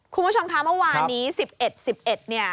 คุณผู้ชมคะเมื่อวานนี้๑๑๑๑เนี่ย